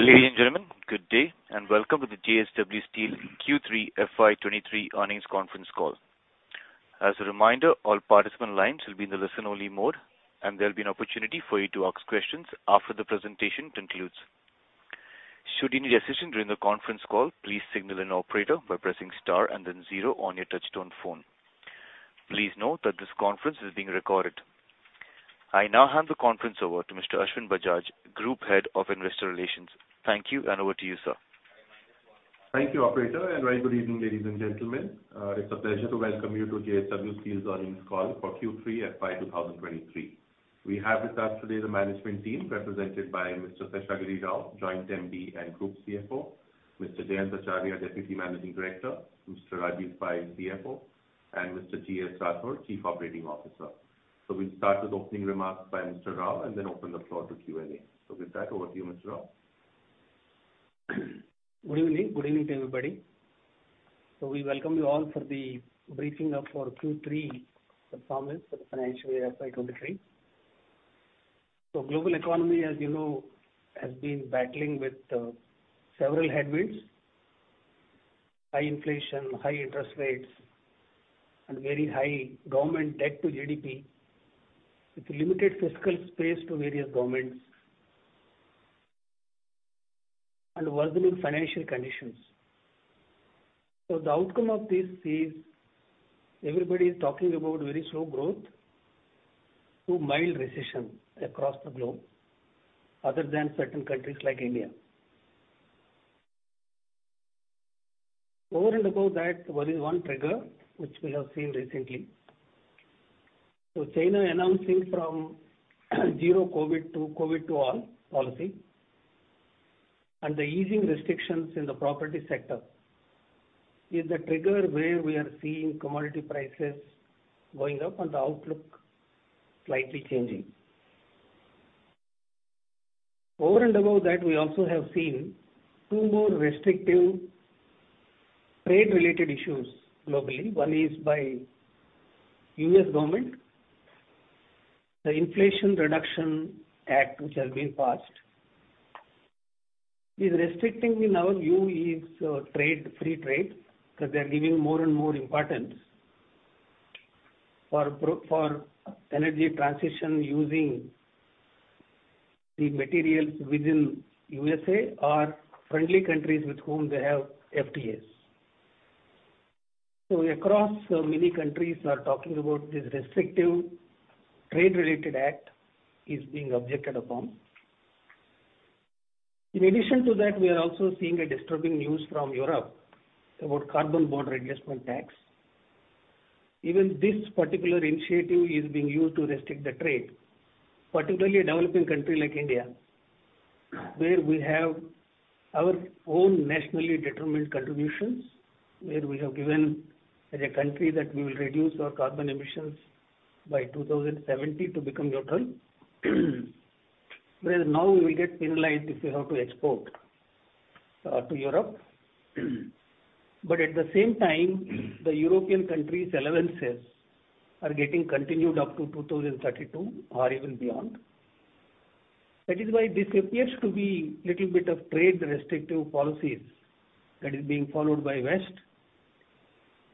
Ladies and gentlemen, good day and welcome to the JSW Steel Q3 FY23 Earnings Conference Call. As a reminder, all participant lines will be in the listen only mode, and there'll be an opportunity for you to ask questions after the presentation concludes. Should you need assistance during the conference call, please signal an operator by pressing star and then 0 on your touchtone phone. Please note that this conference is being recorded. I now hand the conference over to Mr. Ashwin Bajaj, Group Head of Investor Relations. Thank you, over to you, sir. Thank you, operator. Very good evening, ladies and gentlemen. It's a pleasure to welcome you to JSW Steel's earnings call for Q3 FY 2023. We have with us today the management team represented by Mr. Seshagiri Rao, Joint MD and Group CFO, Mr. Jayant Acharya, Deputy Managing Director, Mr. Rajeev Pai, CFO, and Mr. G.S. Rathore, Chief Operating Officer. We'll start with opening remarks by Mr. Rao and then open the floor to Q&A. With that, over to you, Mr. Rao. Good evening. Good evening, everybody. We welcome you all for the briefing of our Q3 performance for the financial year FY 2023. Global economy, as you know, has been battling with several headwinds, high inflation, high interest rates, and very high government debt to GDP, with limited fiscal space to various governments and worsening financial conditions. The outcome of this is everybody is talking about very slow growth to mild recession across the globe other than certain countries like India. Over and above that, there is one trigger which we have seen recently. China announcing from Zero-COVID to COVID to all policy and the easing restrictions in the property sector is the trigger where we are seeing commodity prices going up and the outlook slightly changing. Over and above that, we also have seen two more restrictive trade-related issues globally. One is by U.S. government. The Inflation Reduction Act which has been passed is restricting in our view is trade, free trade, because they're giving more and more importance for energy transition using the materials within U.S.A. or friendly countries with whom they have FTAs. Across many countries are talking about this restrictive trade related act is being objected upon. In addition to that, we are also seeing a disturbing news from Europe about Carbon Border Adjustment tax. Even this particular initiative is being used to restrict the trade, particularly a developing country like India, where we have our own Nationally Determined Contributions, where we have given as a country that we will reduce our carbon emissions by 2070 to become neutral. Whereas now we will get penalized if we have to export to Europe. At the same time, the European countries allowances are getting continued up to 2032 or even beyond. That is why this appears to be little bit of trade restrictive policies that is being followed by West.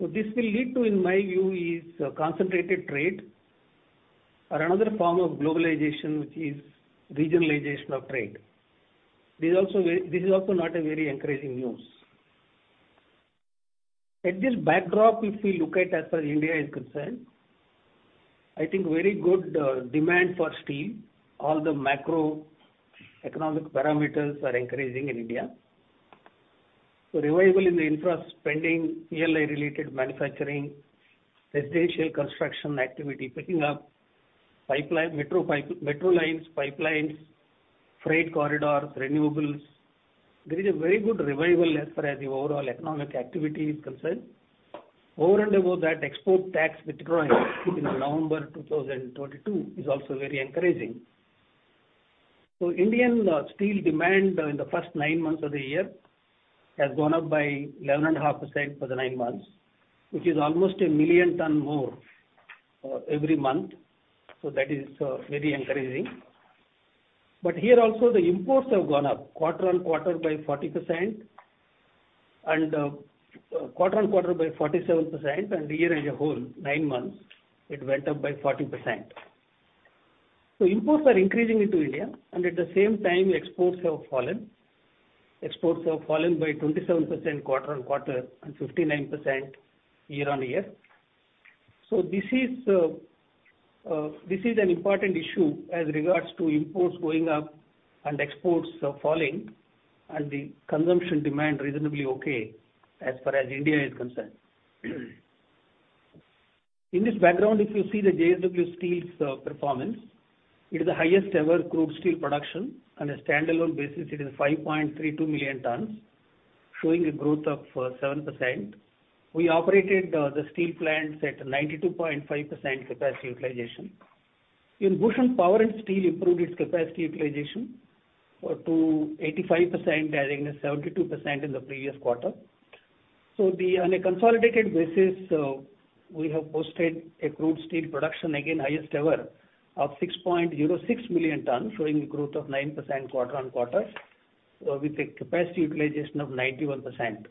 This will lead to, in my view, is concentrated trade or another form of globalization, which is regionalization of trade. This is also not a very encouraging news. At this backdrop, if we look at as far as India is concerned, I think very good demand for steel. All the macroeconomic parameters are encouraging in India. Revival in the infra spending, PLI related manufacturing, residential construction activity picking up, pipeline, metro lines, pipelines, freight corridors, renewables. There is a very good revival as far as the overall economic activity is concerned. Over and above that, export tax withdrawing in November 2022 is also very encouraging. Indian steel demand in the first nine months of the year has gone up by 11.5% for the nine months, which is almost 1 million ton more every month. That is very encouraging. Here also the imports have gone up quarter-on-quarter by 40% and quarter-on-quarter by 47% and the year as a whole, nine months it went up by 40%. Imports are increasing into India and at the same time exports have fallen. Exports have fallen by 27% quarter-on-quarter and 59% year-on-year. This is an important issue as regards to imports going up and exports falling and the consumption demand reasonably okay as far as India is concerned. In this background if you see the JSW Steel's performance, it is the highest ever crude steel production. On a standalone basis, it is 5.32 million tons, showing a growth of 7%. We operated the steel plants at 92.5% capacity utilization. Bhushan Power and Steel improved its capacity utilization to 85% as against 72% in the previous quarter. On a consolidated basis, we have posted a crude steel production again highest ever of 6.06 million tons, showing a growth of 9% quarter on quarter, with a capacity utilization of 91%.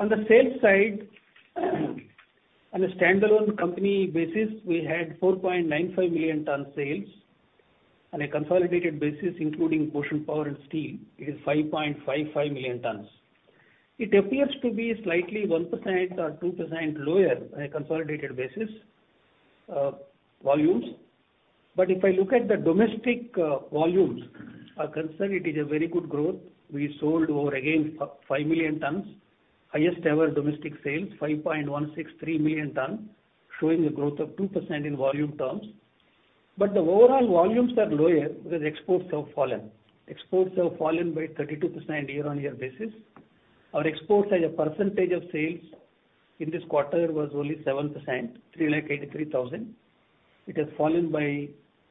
On the sales side on a standalone company basis, we had 4.95 million ton sales. On a consolidated basis, including Bhushan Power & Steel, it is 5.55 million tons. It appears to be slightly 1% or 2% lower on a consolidated basis, volumes. If I look at the domestic, volumes are concerned, it is a very good growth. We sold over again 5 million tons. Highest ever domestic sales, 5.163 million tons, showing a growth of 2% in volume terms. The overall volumes are lower because exports have fallen. Exports have fallen by 32% year-on-year basis. Our exports as a percentage of sales in this quarter was only 7%, 383,000. It has fallen by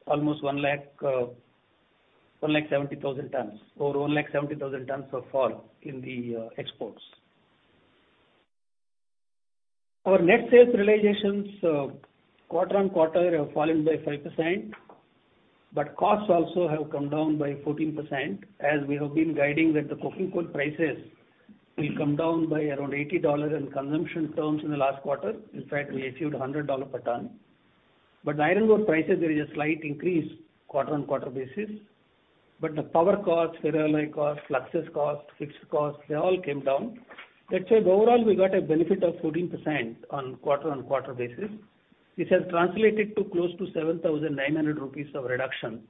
almost 170,000 tons of fall in the exports. Our net sales realizations quarter-on-quarter have fallen by 5%, but costs also have come down by 14%. As we have been guiding that the coking coal prices will come down by around $80 in consumption terms in the last quarter. In fact, we achieved a $100 per ton. The iron ore prices, there is a slight increase quarter-on-quarter basis. The power costs, ferroalloy costs, fluxes costs, fixed costs, they all came down. That said, overall we got a benefit of 14% on quarter-on-quarter basis, which has translated to close to 7,900 rupees of reduction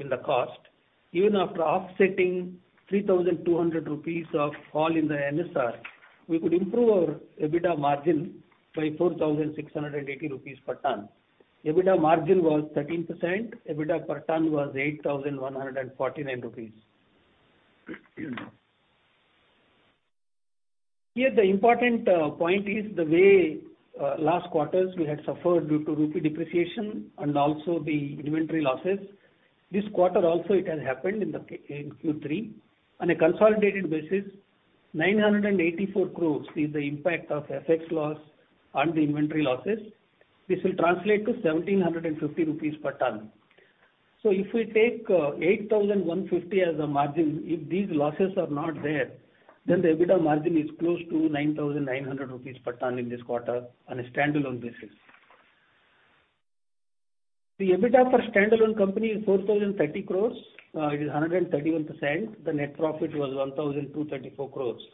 in the cost. Even after offsetting 3,200 rupees of fall in the NSR, we could improve our EBITDA margin by 4,680 rupees per ton. EBITDA margin was 13%. EBITDA per ton was 8,149 rupees. Here, the important point is the way last quarters we had suffered due to rupee depreciation and also the inventory losses. This quarter also it has happened in Q3. On a consolidated basis, 984 crore is the impact of FX loss and the inventory losses. This will translate to 1,750 rupees per ton. If we take 8,150 as a margin, if these losses are not there, then the EBITDA margin is close to 9,900 rupees per ton in this quarter on a standalone basis. The EBITDA for standalone company is 4,030 crore rupees. It is 131%. The net profit was 1,234 crore rupees.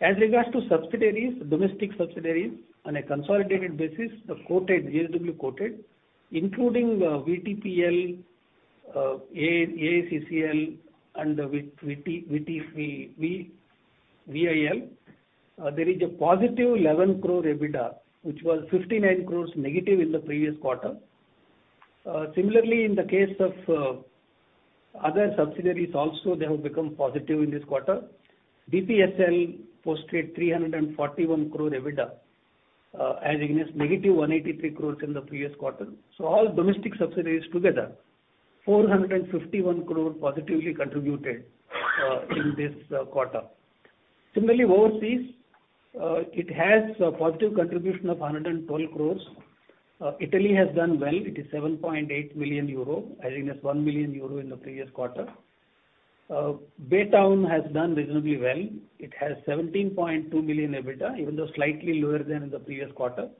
As regards to subsidiaries, domestic subsidiaries, on a consolidated basis, the coated, JSW Coated, including VTPL, ACCIL and VTP, VIL, there is a positive 11 crore EBITDA, which was 59 crore negative in the previous quarter. Similarly, in the case of other subsidiaries also they have become positive in this quarter. BPSL posted 341 crore EBITDA, as against negative 183 crore in the previous quarter. All domestic subsidiaries together, 451 crore positively contributed in this quarter. Similarly, overseas, it has a positive contribution of 112 crore. Italy has done well. It is 7.8 million euro as against 1 million euro in the previous quarter. Baytown has done reasonably well. It has $17.2 million EBITDA, even though slightly lower than in the previous quarter.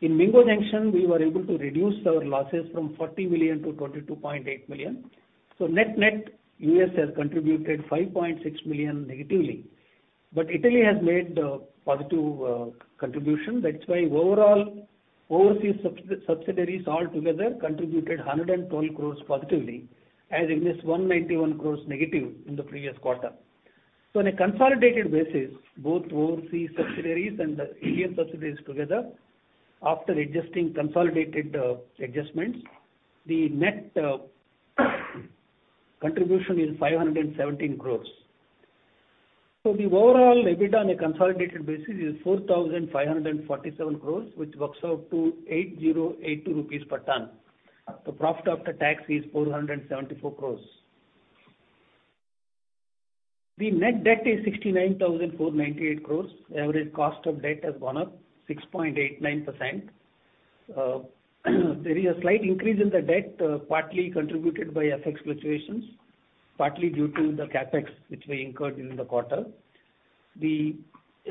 In Mingo Junction, we were able to reduce our losses from $40 million-$22.8 million. net-net, U.S. has contributed $5.6 million negatively. Italy has made a positive contribution. That's why overall overseas subsidiaries all together contributed 112 crores positively as against 191 crores negative in the previous quarter. On a consolidated basis, both overseas subsidiaries and the Indian subsidiaries together, after adjusting consolidated adjustments, the net contribution is 517 crores. The overall EBITDA on a consolidated basis is 4,547 crores, which works out to 808 rupees per ton. The profit after tax is 474 crores. The net debt is 69,498 crores. Average cost of debt has gone up 6.89%. There is a slight increase in the debt, partly contributed by FX fluctuations, partly due to the CapEx which we incurred during the quarter. The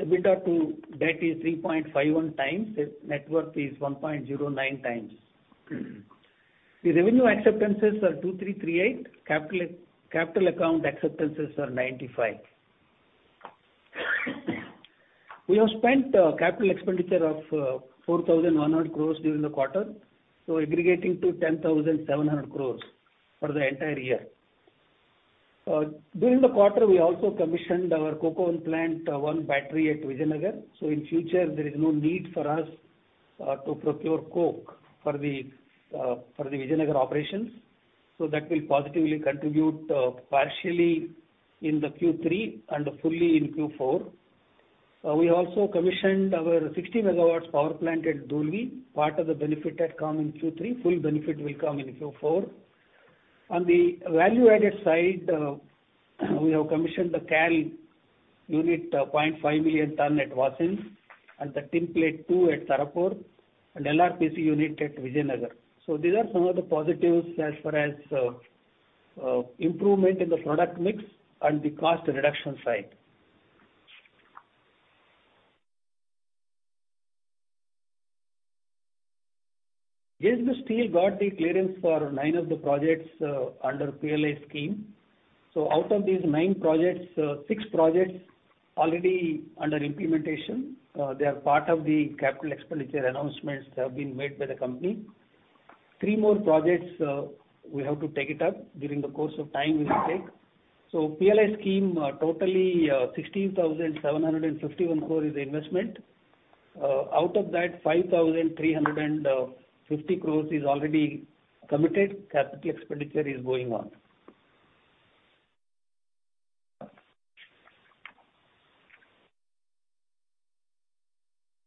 EBITDA to debt is 3.51 times. The net worth is 1.09 times. The revenue acceptances are 2,338. Capital account acceptances are 95. We have spent capital expenditure of 4,100 crores during the quarter, aggregating to 10,700 crores for the entire year. During the quarter, we also commissioned our coke oven plant, one battery at Vizianagaram. In future there is no need for us to procure coke for the Vizianagaram operations. That will positively contribute partially in the Q3 and fully in Q4. We also commissioned our 60 megawatts power plant at Dolvi. Part of the benefit had come in Q3. Full benefit will come in Q4. On the value added side, we have commissioned the CAL unit 0.5 million tons at Vasind and the tinplate two at Tarapore and LRPC unit at Vizianagaram. These are some of the positives as far as improvement in the product mix and the cost reduction side. JSW Steel got the clearance for nine of the projects under PLI scheme. Out of these nine projects, six projects already under implementation. They are part of the capital expenditure announcements that have been made by the company. Three more projects, we have to take it up. During the course of time we will take. PLI scheme, totally, 16,751 crore is the investment. Out of that, 5,350 crore is already committed. Capital expenditure is going on.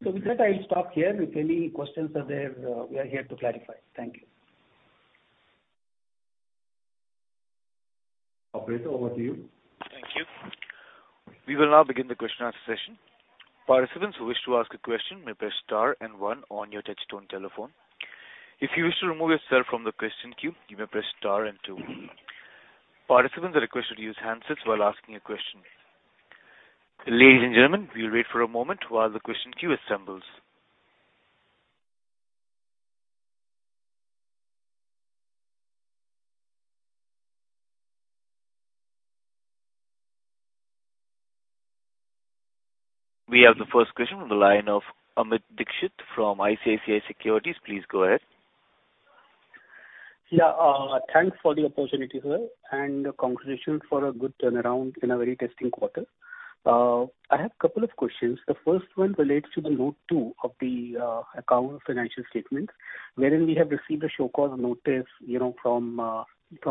With that, I'll stop here. If any questions are there, we are here to clarify. Thank you. Operator, over to you. Thank you. We will now begin the question answer session. Participants who wish to ask a question may press star and 1 on your touchtone telephone. If you wish to remove yourself from the question queue, you may press star and 2. Participants are requested to use handsets while asking a question. Ladies and gentlemen, we'll wait for a moment while the question queue assembles. We have the first question on the line of Amit Dixit from ICICI Securities. Please go ahead. Yeah. Thanks for the opportunity, sir, and congratulations for a good turnaround in a very testing quarter. I have a couple of questions. The first one relates to the note 2 of the account financial statements, wherein we have received a show cause notice, you know, from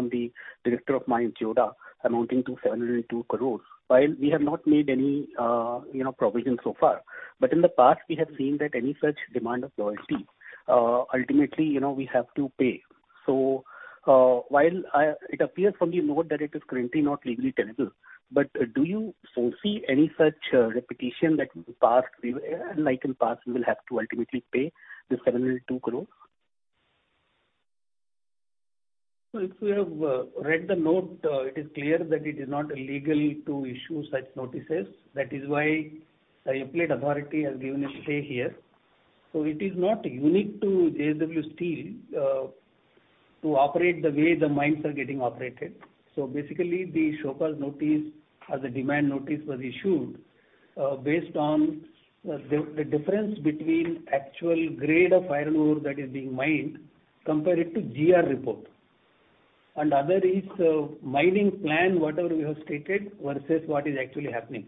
the director of mines, Joda, amounting to 702 crores. While we have not made any, you know, provision so far, but in the past, we have seen that any such demand of royalty, ultimately, you know, we have to pay. While it appears from the note that it is currently not legally tenable, but do you foresee any such repetition that in past, we will have to ultimately pay this 702 crores? If you have read the note, it is clear that it is not legal to issue such notices. That is why the appellate authority has given a stay here. It is not unique to JSW Steel to operate the way the mines are getting operated. Basically, the show cause notice or the demand notice was issued based on the difference between actual grade of iron ore that is being mined, compare it to Geological Report. Other is mining plan, whatever we have stated versus what is actually happening.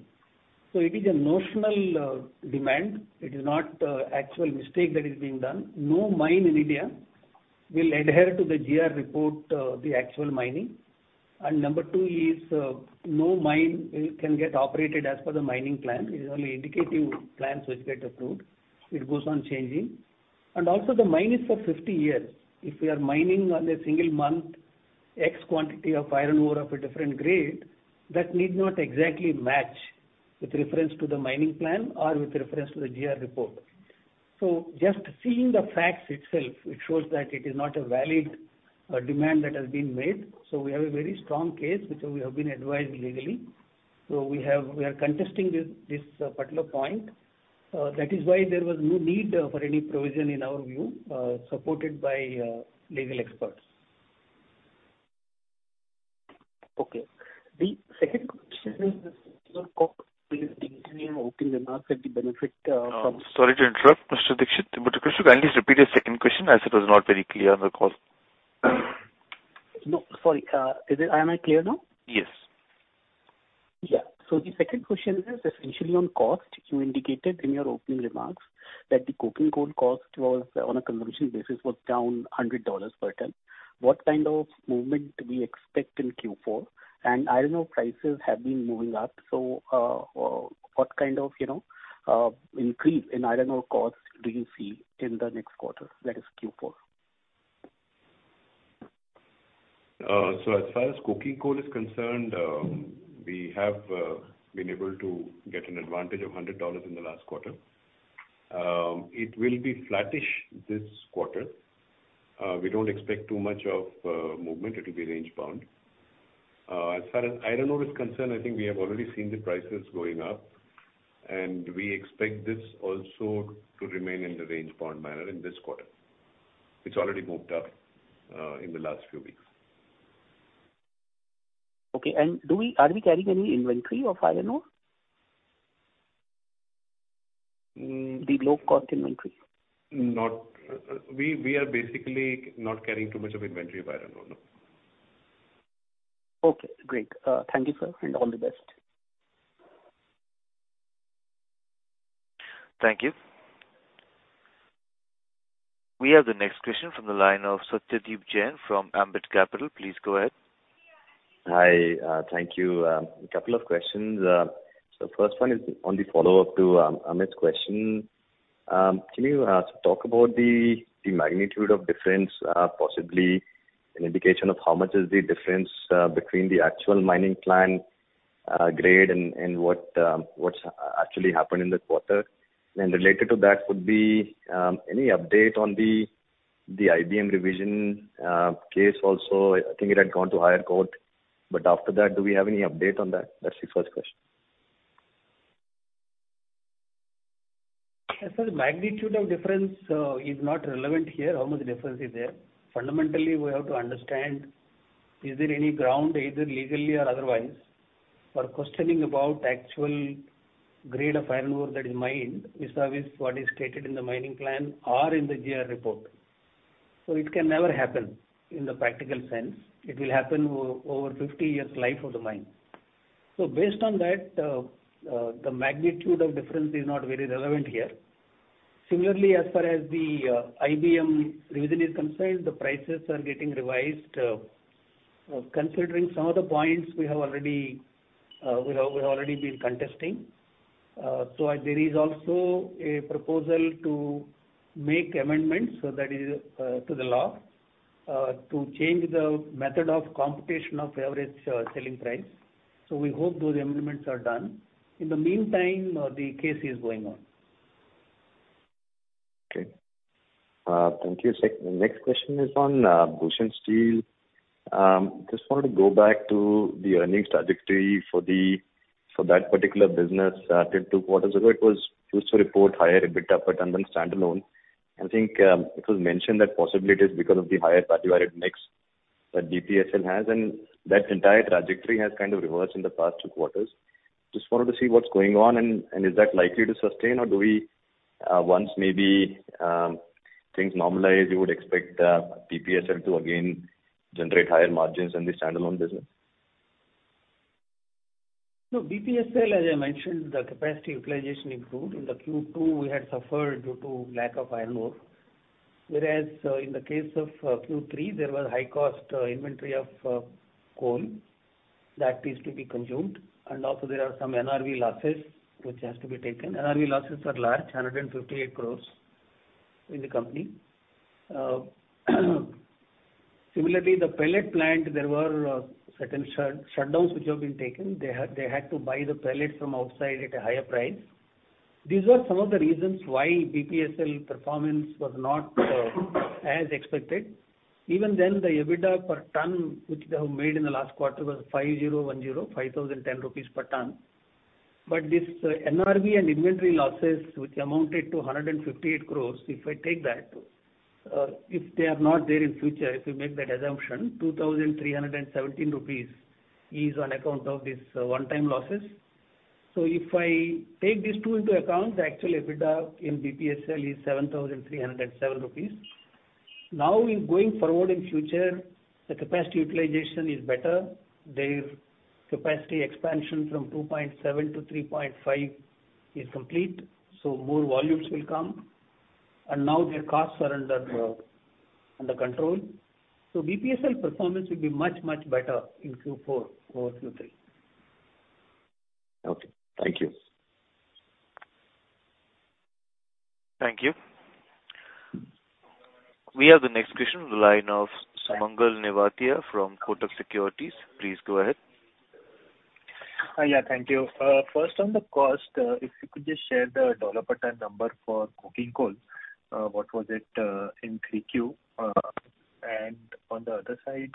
It is a notional demand. It is not actual mistake that is being done. No mine in India will adhere to the Geological Report, the actual mining. Number 2 is, no mine can get operated as per the mining plan. It is only indicative plans which get approved. It goes on changing. Also the mine is for 50 years. If we are mining on a single month X quantity of iron ore of a different grade, that need not exactly match with reference to the mining plan or with reference to the Geological Report. Just seeing the facts itself, it shows that it is not a valid demand that has been made. We have a very strong case, which we have been advised legally. We are contesting this particular point. That is why there was no need for any provision in our view, supported by legal experts. Okay. The second question is Sorry to interrupt, Mr. Dixit, but could you kindly repeat your second question as it was not very clear on the call? No, sorry. Am I clear now? Yes. Yeah. The second question is essentially on cost. You indicated in your opening remarks that the coking coal cost was on a conversion basis, was down $100 per ton. What kind of movement we expect in Q4? Iron ore prices have been moving up. What kind of, you know, increase in iron ore cost do you see in the next quarter, that is Q4? As far as coking coal is concerned, we have been able to get an advantage of $100 in the last quarter. It will be flattish this quarter. We don't expect too much movement. It will be range bound. As far as iron ore is concerned, I think we have already seen the prices going up, and we expect this also to remain in the range bound manner in this quarter. It's already moved up in the last few weeks. Okay. Are we carrying any inventory of iron ore? Mm. The low cost inventory. We are basically not carrying too much of inventory of iron ore, no. Okay, great. Thank you, sir, and all the best. Thank you. We have the next question from the line of Satyadeep Jain from Ambit Capital. Please go ahead. Hi, thank you. Couple of questions. First one is on the follow-up to Amit's question. Can you talk about the magnitude of difference, possibly an indication of how much is the difference between the actual mining plan grade and what's actually happened in the quarter? Related to that would be any update on the IBM revision case also. I think it had gone to higher court, but after that, do we have any update on that? That's the first question As far as magnitude of difference is not relevant here, how much difference is there. Fundamentally, we have to understand is there any ground, either legally or otherwise, for questioning about actual grade of iron ore that is mined vis-à-vis what is stated in the mining plan or in the GR report. It can never happen in the practical sense. It will happen over 50 years' life of the mine. Based on that, the magnitude of difference is not very relevant here. Similarly, as far as the IBM revision is concerned, the prices are getting revised, considering some of the points we've already been contesting. There is also a proposal to make amendments, that is to the law, to change the method of computation of average selling price. We hope those amendments are done. In the meantime, the case is going on. Okay. Thank you, sir. Next question is on Bhushan Steel. Just wanted to go back to the earnings trajectory for that particular business. Two quarters ago, it was used to report higher EBITDA per ton on standalone. I think it was mentioned that possibly it is because of the higher value-added mix that BPSL has, and that entire trajectory has kind of reversed in the past two quarters. Just wanted to see what's going on and is that likely to sustain or do we, once maybe, things normalize, you would expect BPSL to again generate higher margins in the standalone business? No. BPSL, as I mentioned, the capacity utilization improved. In the Q2, we had suffered due to lack of iron ore. Whereas, in the case of Q3, there was high cost inventory of coal that is to be consumed. Also there are some NRV losses which has to be taken. NRV losses are large, 158 crores in the company. Similarly, the pellet plant, there were certain shutdowns which have been taken. They had to buy the pellets from outside at a higher price. These were some of the reasons why BPSL performance was not as expected. Even then, the EBITDA per ton, which they have made in the last quarter was 5,010 rupees per ton. This NRV and inventory losses, which amounted to 158 crores, if I take that, if they are not there in future, if you make that assumption, 2,317 rupees is on account of this one-time losses. If I take these two into account, the actual EBITDA in BPSL is 7,307 rupees. In going forward in future, the capacity utilization is better. Their capacity expansion from 2.7-3.5 is complete, more volumes will come. Now their costs are under control. BPSL performance will be much, much better in Q4 over Q3. Okay. Thank you. Thank you. We have the next question on the line of Sumangal Nevatia from Kotak Securities. Please go ahead. Yeah, thank you. First on the cost, if you could just share the $ per ton number for cooking coal. What was it in Q3? On the other side,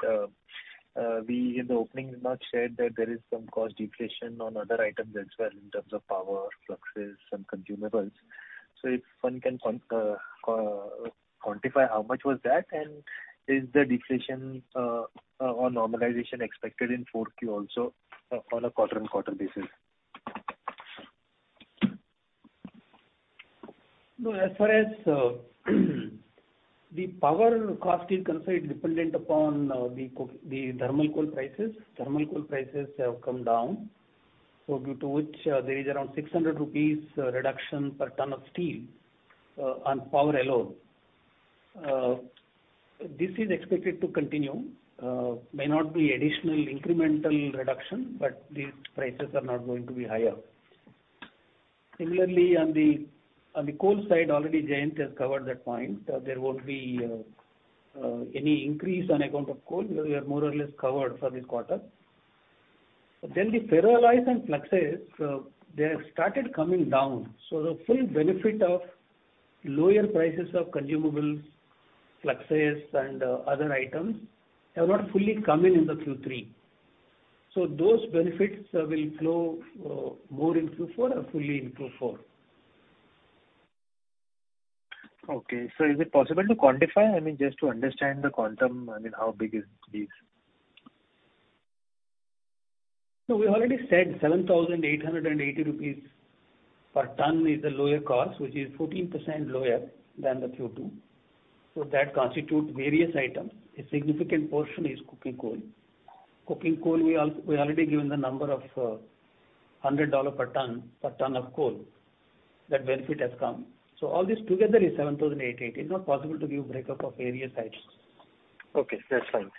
we in the opening you've not shared that there is some cost deflation on other items as well in terms of power, fluxes, and consumables. If one can quantify how much was that and is the deflation or normalization expected in Q4 also on a quarter-on-quarter basis? As far as the power cost is concerned, dependent upon the thermal coal prices. Thermal coal prices have come down, due to which there is around 600 rupees reduction per ton of steel on power alone. This is expected to continue. May not be additional incremental reduction, these prices are not going to be higher. Similarly, on the coal side, already Jayant has covered that point. There won't be any increase on account of coal. We are more or less covered for this quarter. The ferroalloy and fluxes, they have started coming down. The full benefit of lower prices of consumables, fluxes, and other items have not fully come in in the Q3. Those benefits will flow more in Q4 or fully in Q4. Okay. Is it possible to quantify? I mean, just to understand the quantum, I mean, how big is this? We already said 7,880 rupees per ton is the lower cost, which is 14% lower than the Q2. That constitutes various items. A significant portion is cooking coal. Cooking coal, we already given the number of $100 per ton, per ton of coal. That benefit has come. All this together is 7,808. It's not possible to give breakup of various items. Okay, that's fine.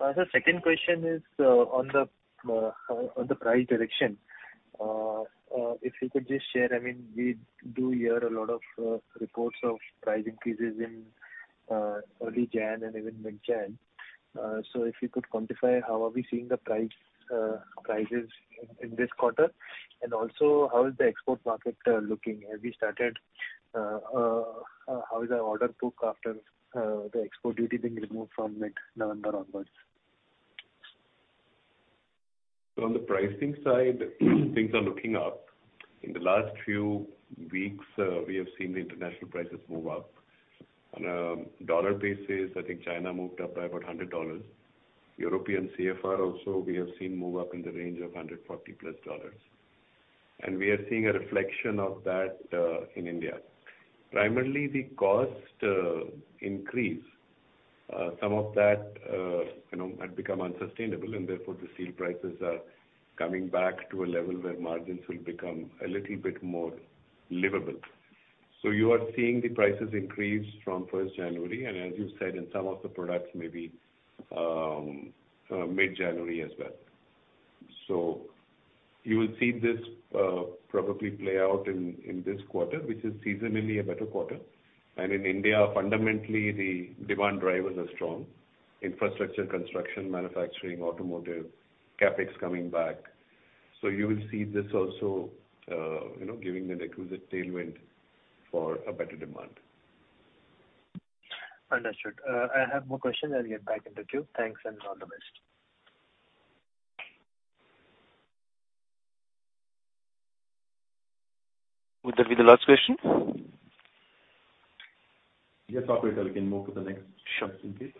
The second question is on the price direction. If you could just share, I mean, we do hear a lot of reports of price increases in early Jan and even mid-Jan. If you could quantify how are we seeing the prices in this quarter and also how is the export market looking? How is the order book after the export duty being removed from mid-November onwards? On the pricing side things are looking up. In the last few weeks, we have seen the international prices move up. On a dollar basis, I think China moved up by about $100. European CFR also we have seen move up in the range of $140+. We are seeing a reflection of that in India. Primarily the cost increase, some of that, you know, had become unsustainable and therefore the steel prices are coming back to a level where margins will become a little bit more livable. You are seeing the prices increase from 1st January and as you said in some of the products maybe, mid-January as well. You will see this probably play out in this quarter, which is seasonally a better quarter. In India, fundamentally the demand drivers are strong. Infrastructure, construction, manufacturing, automotive, CapEx coming back. You will see this also, you know, giving the requisite tailwind for a better demand. Understood. I have no question. I'll get back in the queue. Thanks and all the best. Would that be the last question? Yes, operator. We can move to the - Sure. question please.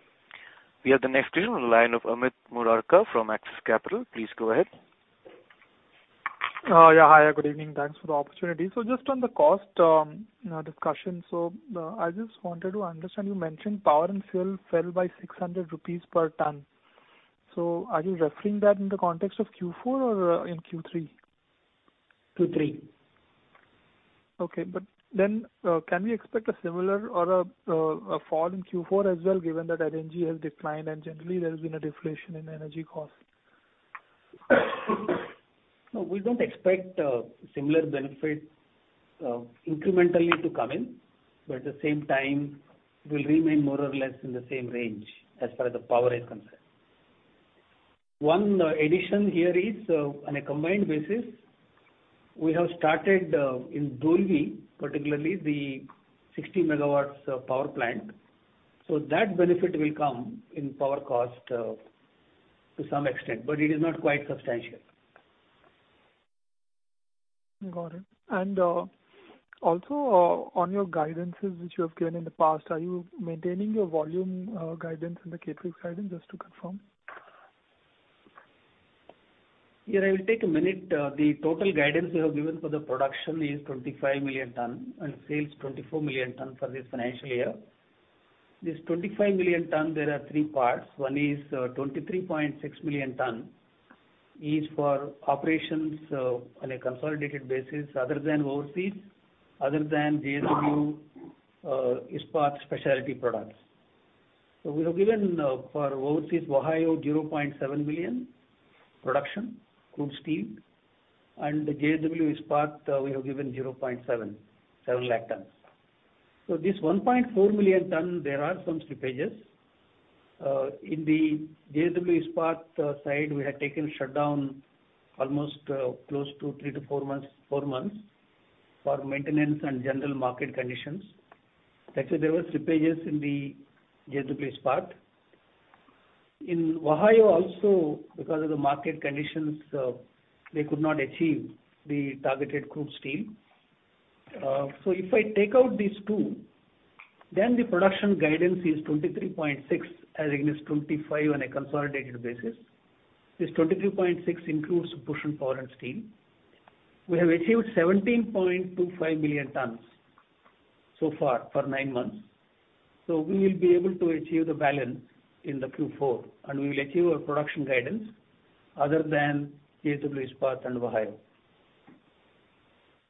We have the next question on the line of Amit Murarka from Axis Capital. Please go ahead. Yeah. Hi, good evening. Thanks for the opportunity. Just on the cost discussion. I just wanted to understand, you mentioned power and fuel fell by 600 rupees per ton. Are you referring that in the context of Q4 or in Q3? Q3. Okay. Can we expect a similar or a fall in Q4 as well, given that LNG has declined and generally there has been a deflation in energy costs? No, we don't expect similar benefit incrementally to come in. At the same time, we'll remain more or less in the same range as per the power is concerned. One addition here is, on a combined basis, we have started in Dolvi, particularly the 60 megawatts of power plant. That benefit will come in power cost to some extent, but it is not quite substantial. Got it. Also, on your guidances which you have given in the past, are you maintaining your volume guidance and the CapEx guidance, just to confirm? Yeah, I will take a minute. The total guidance we have given for the production is 25 million tons and sales 24 million tons for this financial year. This 25 million tons there are three parts. One is 23.6 million tons is for operations on a consolidated basis other than overseas, other than JSW Ispat Special Products. We have given for overseas, Ohio 0.7 million production crude steel and the JSW Ispat we have given 0.77 lakh tons. This 1.4 million tons there are some slippages. In the JSW Ispat side we had taken shutdown almost close to four months for maintenance and general market conditions. Actually, there were slippages in the JSW Ispat. In Ohio also because of the market conditions, they could not achieve the targeted crude steel. If I take out these two, then the production guidance is 23.6 as against 25 on a consolidated basis. This 23.6 includes Bhushan Power & Steel. We have achieved 17.25 million tons so far for nine months. We will be able to achieve the balance in the Q4 and we will achieve our production guidance other than JSW Ispat and Ohio.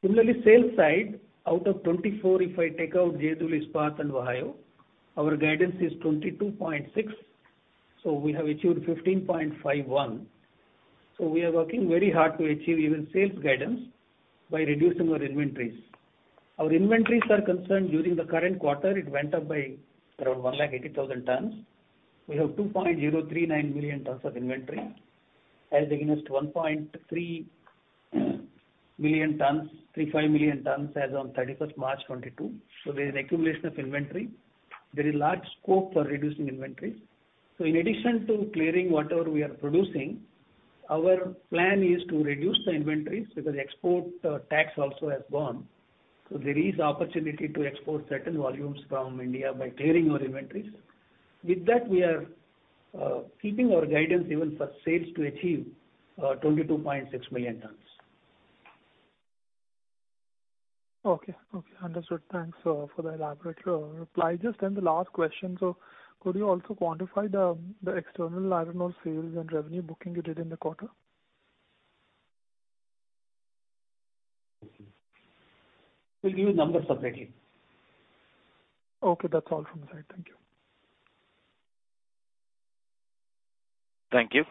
Sales side out of 24 if I take out JSW Ispat and Ohio, our guidance is 22.6. We have achieved 15.51. We are working very hard to achieve even sales guidance by reducing our inventories. Our inventories are concerned during the current quarter it went up by around 180,000 tons. We have 2.039 million tons of inventory as against 3.5 million tons as on 31st March 2022. There's accumulation of inventory. There is large scope for reducing inventory. In addition to clearing whatever we are producing, our plan is to reduce the inventories because export tax also has gone. There is opportunity to export certain volumes from India by clearing our inventories. With that we are keeping our guidance even for sales to achieve 22.6 million tons. Okay. Okay. Understood. Thanks for the elaborate reply. Just then the last question. Could you also quantify the external, I don't know, sales and revenue booking you did in the quarter? We'll give you numbers separately. Okay. That's all from my side. Thank you. Thank you.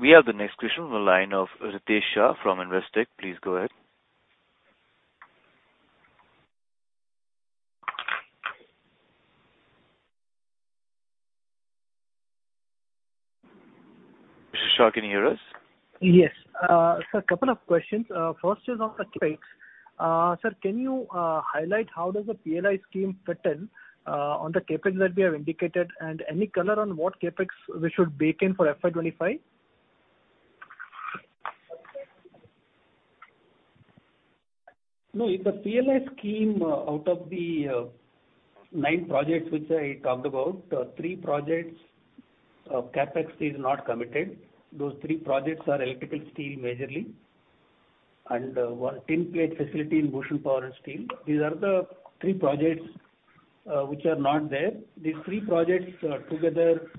We have the next question on the line of Ritesh Shah from Investec. Please go ahead. Mr. Shah, can you hear us? Sir, couple of questions. First is on the CapEx. Sir, can you highlight how does the PLI scheme fit in on the CapEx that we have indicated, and any color on what CapEx we should bake in for FY 25? No, in the PLI scheme, out of the nine projects which I talked about, three projects of CapEx is not committed. Those three projects are electrical steel majorly and one tinplate facility in Bhushan Power and Steel. These are the three projects which are not there. These three projects together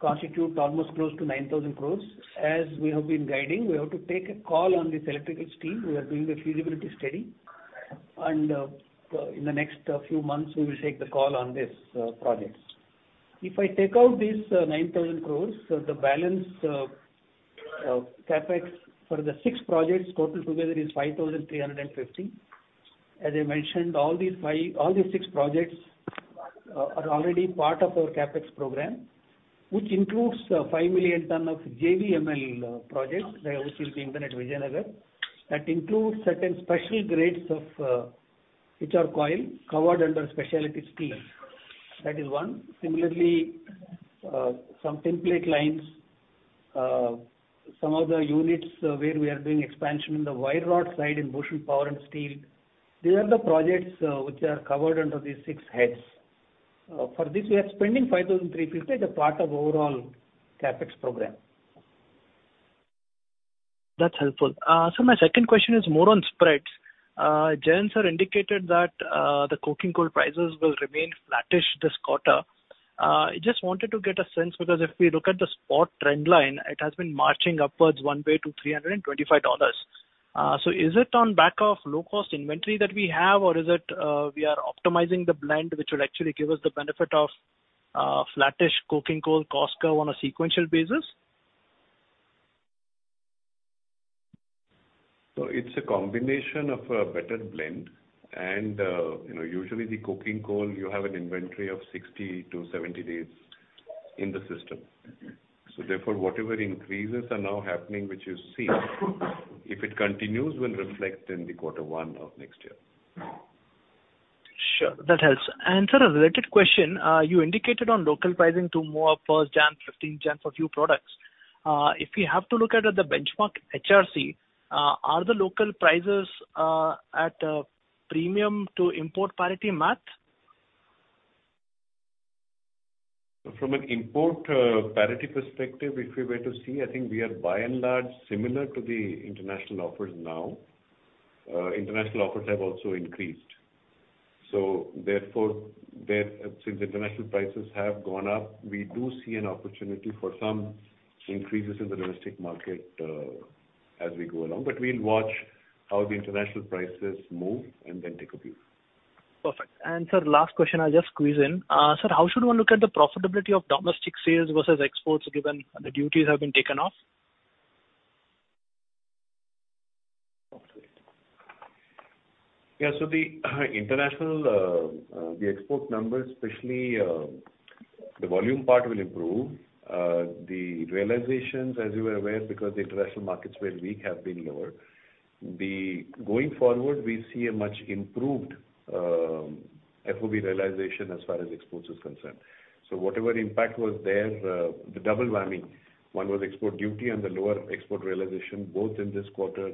constitute almost close to 9,000 crore. As we have been guiding, we have to take a call on this electrical steel. We are doing the feasibility study and in the next few months we will take the call on this projects. If I take out this 9,000 crore, the balance CapEx for the six projects total together is 5,350. As I mentioned, all these six projects are already part of our CapEx program, which includes 5 million ton of JVML projects which will be implemented at Vizianagaram. That includes certain special grades of which are coil covered under specialty steel. That is one. Similarly, some tinplate lines, some of the units where we are doing expansion in the wire rod side in Bhushan Power & Steel. These are the projects which are covered under these six heads. For this we are spending 5,350 as a part of overall CapEx program. That's helpful. Sir, my second question is more on spreads. Jayant sir indicated that the coking coal prices will remain flattish this quarter. I just wanted to get a sense because if we look at the spot trend line, it has been marching upwards one way to $325. Is it on back of low cost inventory that we have or is it we are optimizing the blend which would actually give us the benefit of flattish coking coal cost curve on a sequential basis? It's a combination of a better blend and, you know, usually the coking coal you have an inventory of 60-70 days in the system. Therefore, whatever increases are now happening, which you see if it continues, will reflect in the Q1 of next year. Sure. That helps. Sir, a related question. You indicated on local pricing to move up 1st January, 15th January for few products. If we have to look at the benchmark HRC, are the local prices at premium to import parity math? From an import, parity perspective, if we were to see, I think we are by and large similar to the international offers now. International offers have also increased. Therefore, since international prices have gone up, we do see an opportunity for some increases in the domestic market, as we go along. We'll watch how the international prices move and then take a view. Perfect. Sir, last question I'll just squeeze in. Sir, how should one look at the profitability of domestic sales versus exports given the duties have been taken off? Yeah. The international, the export numbers, especially, the volume part will improve. The realizations as you are aware, because the international markets were weak, have been lower. Going forward, we see a much improved FOB realization as far as exports is concerned. Whatever impact was there, the double whammy, 1 was export duty and the lower export realization, both in this quarter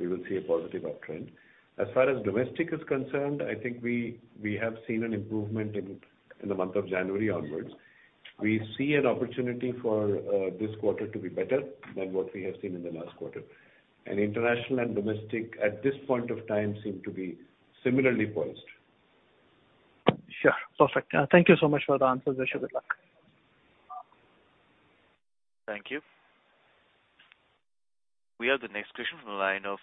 we will see a positive uptrend. As far as domestic is concerned, I think we have seen an improvement in the month of January onwards. We see an opportunity for this quarter to be better than what we have seen in the last quarter. International and domestic at this point of time seem to be similarly poised. Sure. Perfect. Thank you so much for the answers. Wish you good luck. Thank you. We have the next question from the line of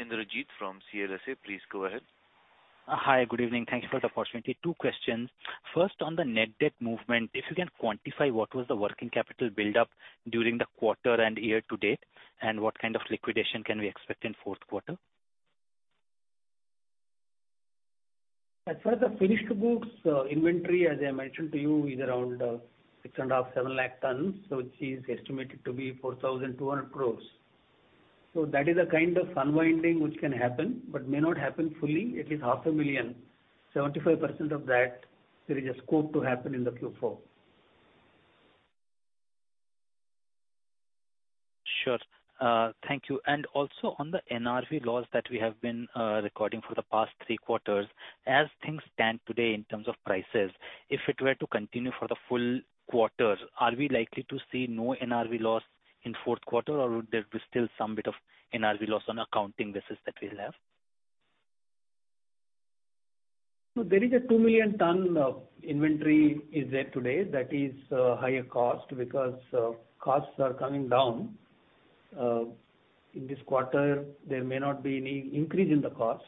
Indrajit from CLSA. Please go ahead. Hi. Good evening. Thank you for the opportunity. Two questions. First, on the net debt movement, if you can quantify what was the working capital buildup during the quarter and year to date, and what kind of liquidation can we expect in fourth quarter? As far as the finished goods inventory, as I mentioned to you, is around six and a half, seven lakh tonnes. Which is estimated to be 4,200 crores. That is a kind of unwinding which can happen but may not happen fully, at least half a million. 75% of that there is a scope to happen in the Q4. Sure. Thank you. Also on the NRV loss that we have been recording for the past three quarters, as things stand today in terms of prices, if it were to continue for the full quarter, are we likely to see no NRV loss in 4th quarter, or would there be still some bit of NRV loss on accounting basis that we'll have? No, there is a 2 million ton inventory is there today that is higher cost because costs are coming down. In this quarter there may not be any increase in the cost.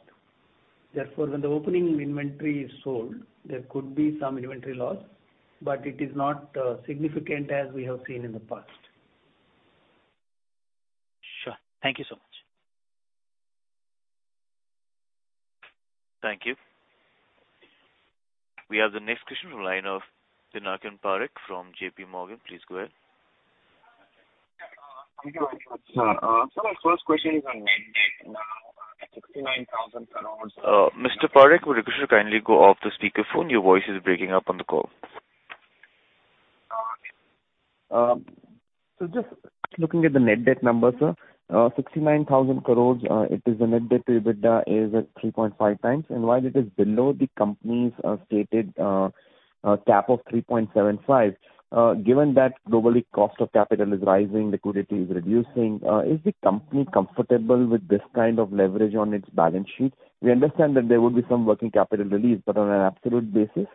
Therefore, when the opening inventory is sold, there could be some inventory loss, but it is not significant as we have seen in the past. Sure. Thank you so much. Thank you. We have the next question on the line of Pinakin Parekh from JP Morgan. Please go ahead. Sir, my first question is on net debt. INR 69,000 crores. Mr. Parekh, would you kindly go off the speaker phone? Your voice is breaking up on the call. Just looking at the net debt number, sir. 69,000 crore, it is a net debt to EBITDA is at 3.5 times. While it is below the company's stated cap of 3.75. Given that globally cost of capital is rising, liquidity is reducing, is the company comfortable with this kind of leverage on its balance sheet? We understand that there would be some working capital relief, but on an absolute basis.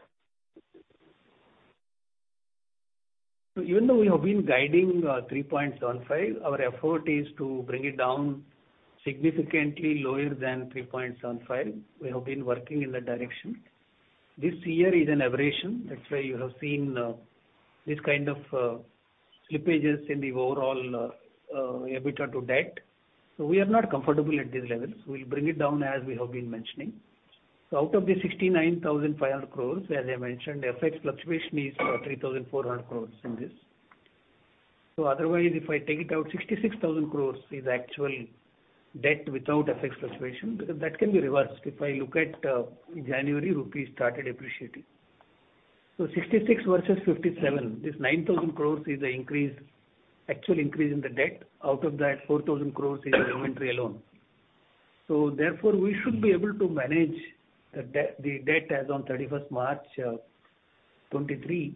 Even though we have been guiding 3.75, our effort is to bring it down significantly lower than 3.75. We have been working in that direction. This year is an aberration. That's why you have seen this kind of slippages in the overall EBITDA to debt. We are not comfortable at these levels. We'll bring it down as we have been mentioning. Out of the 69,500 crores, as I mentioned, FX fluctuation is 3,400 crores in this. Otherwise if I take it out, 66,000 crores is actual debt without FX fluctuation because that can be reversed. If I look at January rupee started appreciating. 66 versus 57 is 9,000 crores is an increase, actual increase in the debt. Out of that 4,000 crores is inventory alone. Therefore we should be able to manage the debt as on 31st March, 2023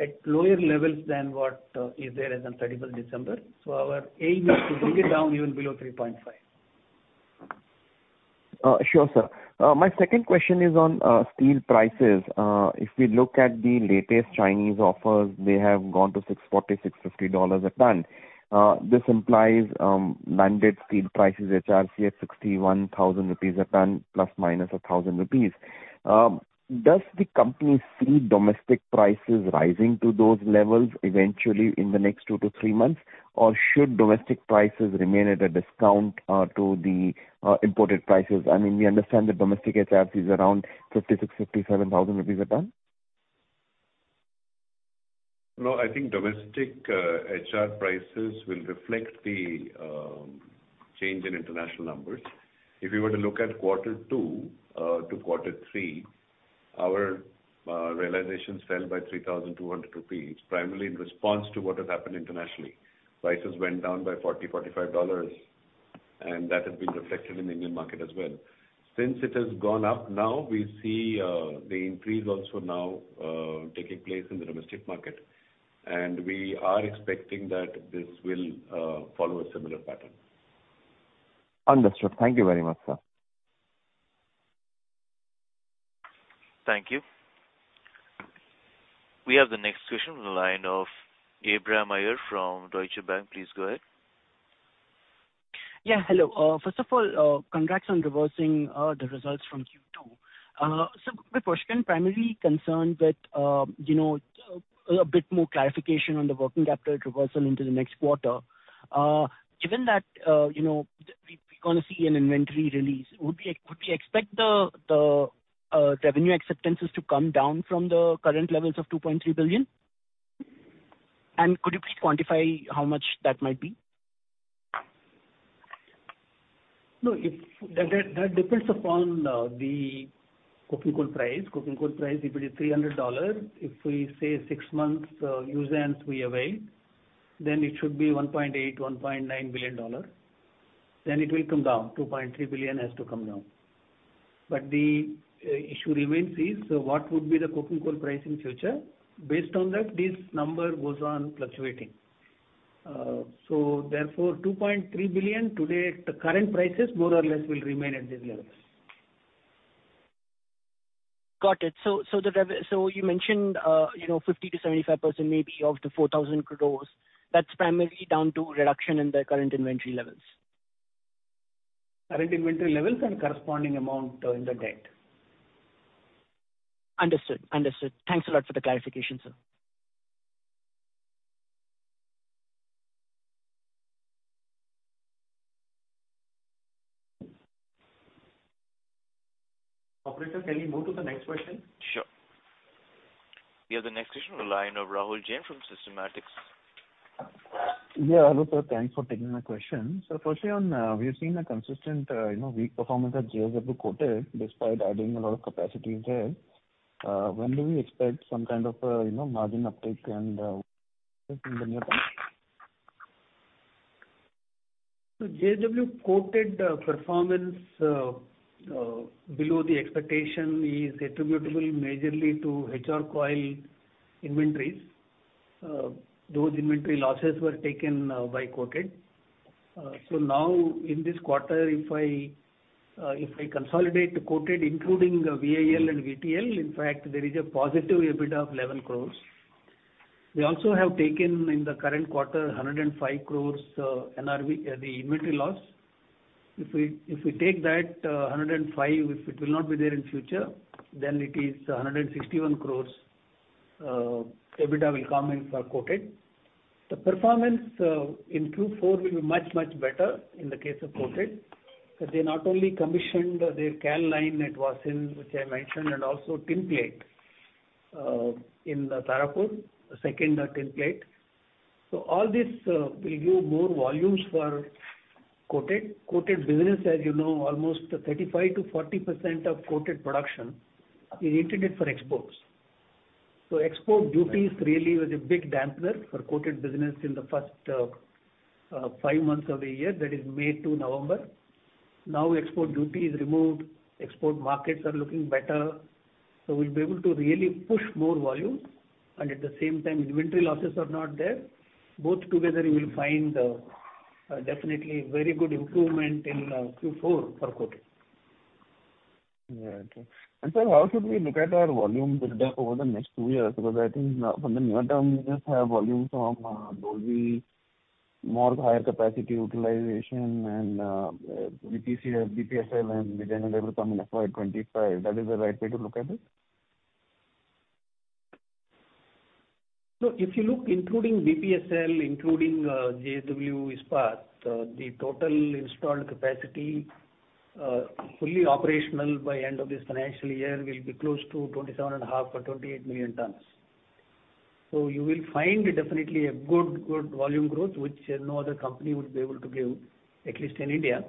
at lower levels than what is there as on 31st December. Our aim is to bring it down even below 3.5. Sure, sir. My second question is on steel prices. If we look at the latest Chinese offers, they have gone to $640-$650 a ton. This implies landed steel prices, HRC at 61,000 rupees a ton ± 1,000 rupees. Does the company see domestic prices rising to those levels eventually in the next 2-3 months? Or should domestic prices remain at a discount to the imported prices? I mean we understand the domestic HR is around 56,000-57,000 rupees a ton. I think domestic HR prices will reflect the change in international numbers. If you were to look at quarter two to quarter three, our realizations fell by 3,200 rupees, primarily in response to what has happened internationally. Prices went down by $40-$45 and that has been reflected in the Indian market as well. Since it has gone up, now we see the increase also now taking place in the domestic market. We are expecting that this will follow a similar pattern. Understood. Thank you very much, sir. Thank you. We have the next question on the line of Abhiram Iyer from Deutsche Bank. Please go ahead Yeah, hello. First of all, congrats on reversing the results from Q2. My question primarily concerned with, you know, a bit more clarification on the working capital reversal into the next quarter. Given that, you know, we're gonna see an inventory release, would we, could we expect the revenue acceptances to come down from the current levels of $2.3 billion? Could you please quantify how much that might be? That depends upon the coking coal price. Coking coal price, if it is $300, if we say six months usance we avail, it should be $1.8 billion-$1.9 billion. It will come down. $2.3 billion has to come down. The issue remains is what would be the coking coal price in future. Based on that this number goes on fluctuating. Therefore $2.3 billion today at the current prices more or less will remain at these levels. Got it. You mentioned, you know, 50%-75% maybe of the 4,000 crores. That's primarily down to reduction in the current inventory levels. Current inventory levels and corresponding amount, in the debt. Understood. Understood. Thanks a lot for the clarification, sir. Operator, can we move to the next question? Sure. We have the next question on the line of Rahul Jain from Systematix. Yeah, hello sir. Thanks for taking my question. Firstly on, we've seen a consistent, you know, weak performance at JSW Coated despite adding a lot of capacities there. When do we expect some kind of, you know, margin uptake and in the near term? JSW Coated performance below the expectation is attributable majorly to HR Coil inventories. Those inventory losses were taken by Coated. Now in this quarter, if I consolidate the coated including the VIL and VTL, in fact there is a positive EBITDA of 11 crores. We also have taken in the current quarter 105 crores NRV the inventory loss. If we take that 105, if it will not be there in future, then it is 161 crores EBITDA will come in for coated. The performance in Q4 will be much, much better in the case of coated. They not only commissioned their can line at Vasind, which I mentioned, and also tin plate in Tarapur, the second tin plate. All this will give more volumes for coated. Coated business, as you know, almost 35%-40% of coated production is intended for exports. Export duties really was a big dampener for coated business in the first five months of the year. That is May to November. Export duty is removed, export markets are looking better, so we'll be able to really push more volume and at the same time inventory losses are not there. Both together you will find definitely very good improvement in Q4 for coated. Yeah. True. Sir, how should we look at our volume build up over the next two years? Because I think now from the near term we just have volume from Dolvi, more higher capacity utilization and [VTCF], BPSL and Vijayanagar will come in FY25. That is the right way to look at it? If you look including BPSL, including JSW Ispat, the total installed capacity fully operational by end of this financial year will be close to 27.5 or 28 million tons. You will find definitely a good volume growth which no other company would be able to give, at least in India.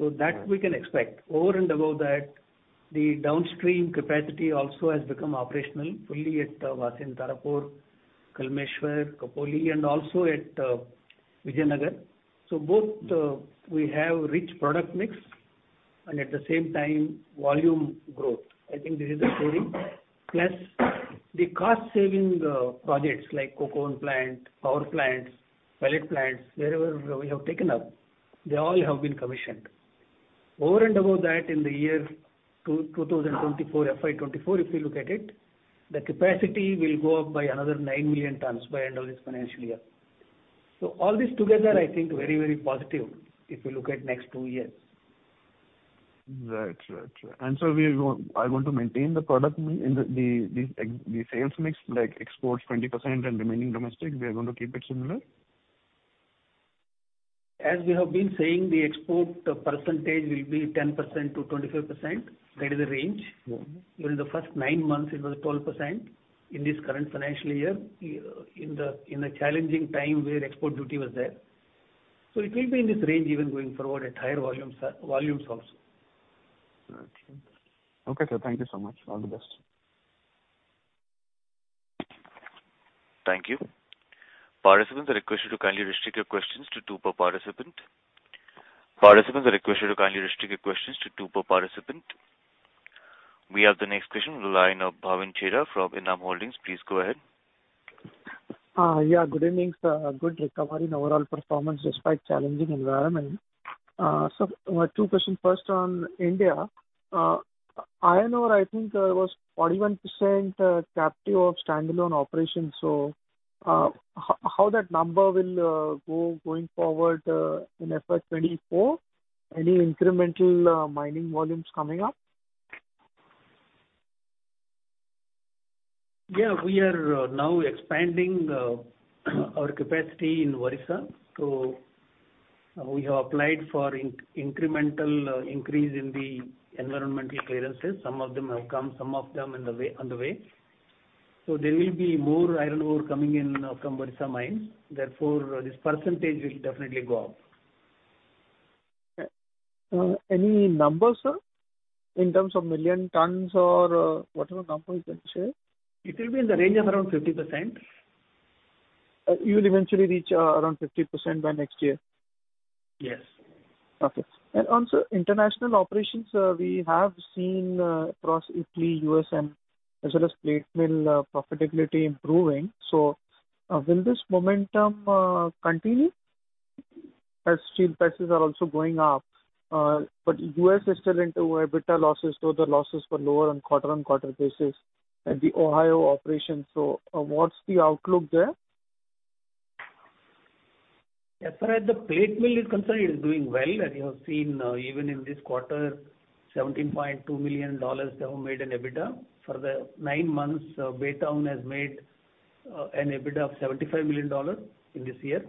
That we can expect. Over and above that, the downstream capacity also has become operational fully at Vasind, Tarapur, Kalmeshwar, Khopoli and also at Vijayanagar. Both we have rich product mix and at the same time volume growth. I think this is the story. Plus the cost saving projects like coke oven plant, power plants, pellet plants, wherever we have taken up, they all have been commissioned. Over and above that in the year 2024, FY 2024 if you look at it, the capacity will go up by another 9 million tons by end of this financial year. All this together I think very, very positive if you look at next two years. Right. Right. Right. So we are going to maintain the product mix in the sales mix, like exports 20% and remaining domestic, we are going to keep it similar? As we have been saying, the export percentage will be 10%-25%. That is the range. Mm-hmm. During the first nine months it was 12% in this current financial year. In the, in a challenging time where export duty was there. It will be in this range even going forward at higher volumes also. Right. Okay, sir. Thank you so much. All the best. Thank you. Participants are requested to kindly restrict your questions to two per participant. Participants are requested to kindly restrict your questions to two per participant. We have the next question on the line of Bhavin Chheda from Edelweiss Holdings. Please go ahead. Yeah, good evening, sir. Good recovery in overall performance despite challenging environment. Two questions. First on India. iron ore I think, was 41% captive of standalone operations. how that number will go going forward in FY 2024? Any incremental mining volumes coming up? Yeah. We are now expanding our capacity in Orissa. We have applied for incremental increase in the environmental clearances. Some of them have come, some of them on the way. There will be more iron ore coming in from Orissa mines, therefore, this percentage will definitely go up. Any numbers, sir, in terms of million tons or, whatever number you can share? It will be in the range of around 50%. You'll eventually reach, around 50% by next year? Yes. Okay. Also international operations, we have seen, across Italy, U.S. and as well as plate mill profitability improving. Will this momentum continue as steel prices are also going up? U.S. is still into EBITDA losses, though the losses were lower on quarter-on-quarter basis at the Ohio operation. What's the outlook there? As far as the plate mill is concerned, it is doing well. As you have seen, even in this quarter $17.2 million they have made an EBITDA. For the nine months, Baytown has made an EBITDA of $75 million in this year.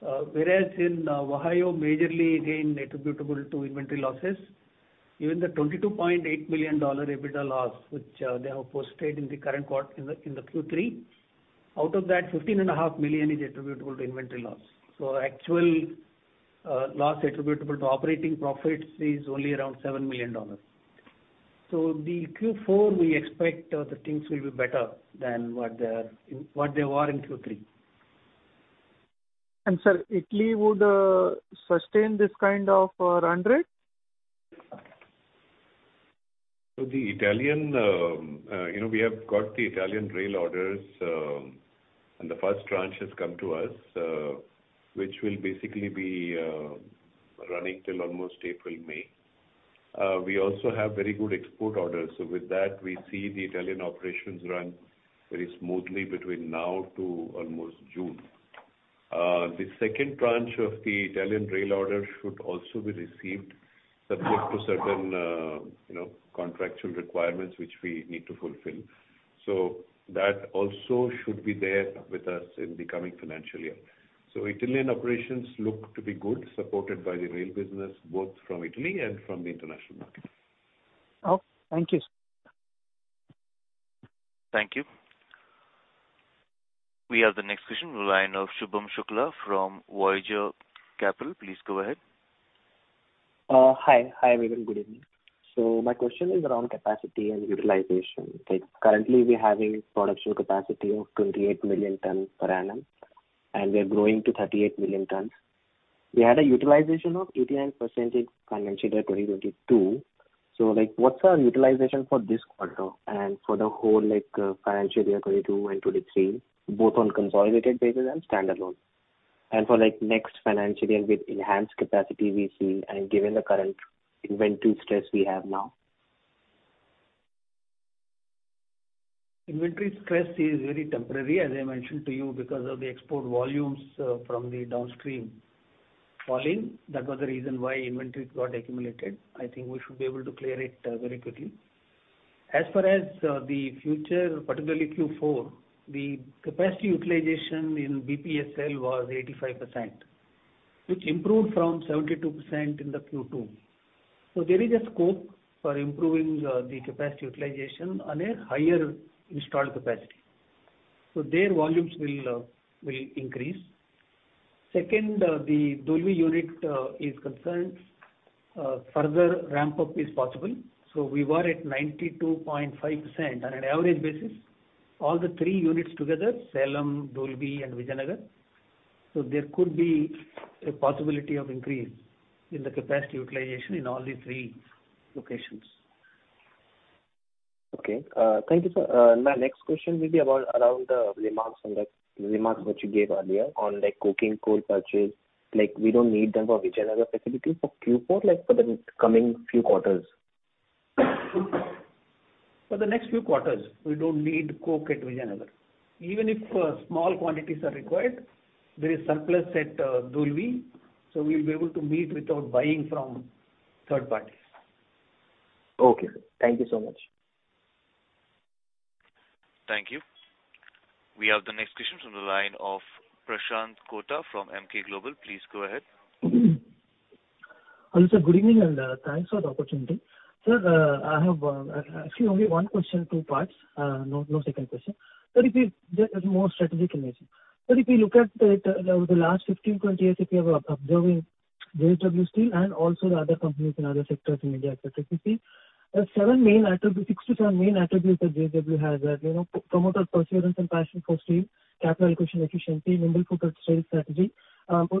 Whereas in Ohio majorly again attributable to inventory losses, even the $22.8 million EBITDA loss which they have posted in the Q3, out of that $15.5 million is attributable to inventory loss. Actual loss attributable to operating profits is only around $7 million. The Q4 we expect the things will be better than what they were in Q3. Sir, Italy would sustain this kind of run rate? The Italian, you know, we have got the Italian rail orders, and the first tranche has come to us, which will basically be running till almost April, May. We also have very good export orders. With that we see the Italian operations run very smoothly between now to almost June. The second tranche of the Italian rail order should also be received subject to certain, you know, contractual requirements which we need to fulfill. That also should be there with us in the coming financial year. Italian operations look to be good, supported by the rail business, both from Italy and from the international market. Oh, thank you. Thank you. We have the next question in line of Shubham Shukla from Voyager Capital. Please go ahead. Hi, everyone. Good evening. My question is around capacity and utilization. Currently, we're having production capacity of 28 million tons per annum, and we are growing to 38 million tons. We had a utilization of 89% in financial year 2022. Like, what's our utilization for this quarter and for the whole, like, financial year 2022 and 2023, both on consolidated basis and standalone? For, like, next financial year with enhanced capacity we see and given the current inventory stress we have now. Inventory stress is very temporary, as I mentioned to you, because of the export volumes from the downstream falling. That was the reason why inventory got accumulated. I think we should be able to clear it very quickly. As far as the future, particularly Q4, the capacity utilization in BPSL was 85%, which improved from 72% in the Q2. There is a scope for improving the capacity utilization on a higher installed capacity. Their volumes will increase. Second, the Dolvi unit is concerned, further ramp-up is possible. We were at 92.5% on an average basis. All the three units together, Salem, Dolvi and Vijayanagar. There could be a possibility of increase in the capacity utilization in all these three locations. Okay. Thank you, sir. My next question will be around the remarks which you gave earlier on, like, coking coal purchase. Like, we don't need them for Vizianagaram facility for Q4, like, for the coming few quarters. For the next few quarters, we don't need coke at Vizianagaram. Even if small quantities are required, there is surplus at Dolvi, so we'll be able to meet without buying from third parties. Okay, sir. Thank you so much. Thank you. We have the next question from the line of Prashanth Kota from Emkay Global. Please go ahead. Hello, sir. Good evening, and thanks for the opportunity. Sir, I have actually only one question, two parts. No, no second question. Just more strategic in nature. If you look at the last 15, 20 years, if you have observing JSW Steel and also the other companies in other sectors in India specifically, there are 6-7 main attributes that JSW has that, you know, promoter perseverance and passion for steel, capital allocation efficiency, nimble-footed sales strategy,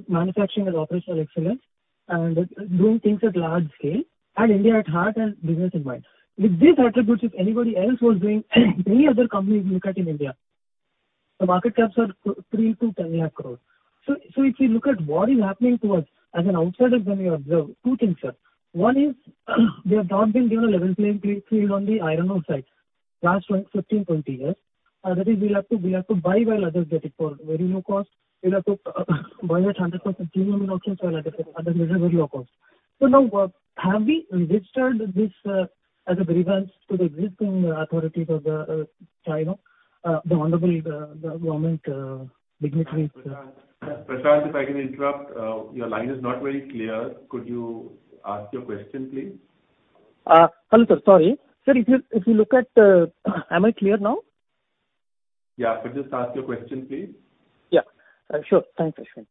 manufacturing and operational excellence, and doing things at large scale, and India at heart and business in mind. With these attributes, if anybody else was doing, any other company you look at in India, the market caps are 3 to 10 lakh crore. If you look at what is happening to us, as an outsider when you observe, two things, sir. One is, we have not been given a level playing field on the iron ore sites last when 15, 20 years. That is we'll have to buy while others get it for very low cost. We'll have to buy it at 100% premium in auctions while others get it at very low cost. Now, have we registered this as a grievance to the existing authorities of the China, the honorable, the government dignitaries? Prashanth, if I can interrupt, your line is not very clear. Could you ask your question, please? Hello sir. Sorry. Sir, if you look at, am I clear now? Yeah. Could just ask your question, please? Yeah. Sure. Thanks, Ashwin.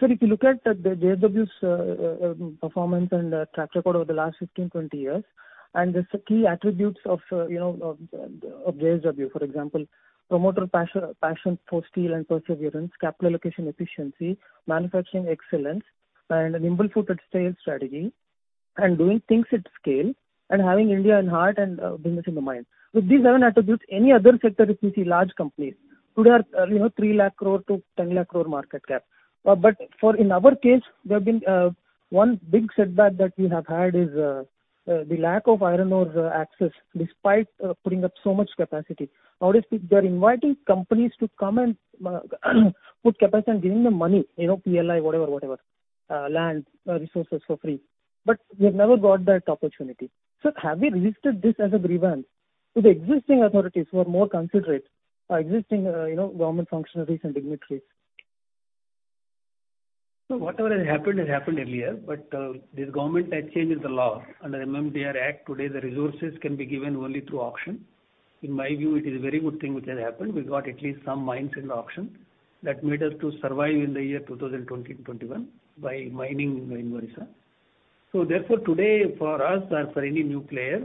Sir, if you look at the JSW's performance and track record over the last 15, 20 years, and the key attributes of, you know, of JSW, for example, promoter passion for steel and perseverance, capital allocation efficiency, manufacturing excellence, and a nimble-footed sales strategy, and doing things at scale, and having India in heart and business in the mind. With these seven attributes, any other sector if you see large companies today are, you know, 3 lakh crore to 10 lakh crore market cap. For in our case, there have been one big setback that we have had is the lack of iron ore access despite putting up so much capacity. How it is, they're inviting companies to come and put capacity and giving them money, you know, PLI, whatever. Land resources for free. We have never got that opportunity. Sir, have we registered this as a grievance with existing authorities who are more considerate? Existing, you know, government functionaries and dignitaries. Whatever has happened has happened earlier. This government has changed the law. Under MMDR Act today the resources can be given only through auction. In my view, it is a very good thing which has happened. We got at least some mines in the auction that made us to survive in the year 2020-2021 by mining in Orissa. Today for us or for any new player,